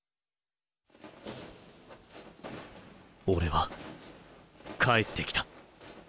俺は帰ってきた。